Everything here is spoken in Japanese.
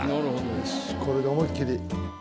よしこれで思いっ切り。